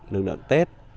lực lượng tết